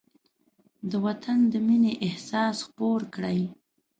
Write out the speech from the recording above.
د وطن د مینې احساس خپور کړئ.